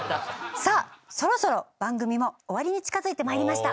さあそろそろ番組も終わりに近づいてまいりました。